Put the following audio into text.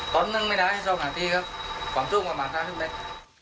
ตอนนั้นไม่ได้ให้ช่องหาที่ครับความช่วงกว่ามากขึ้นเลย